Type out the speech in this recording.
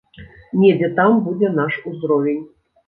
Недзе там будзе наш узровень.